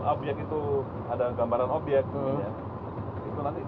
objek itu ada gambaran objek itu nanti kita analisa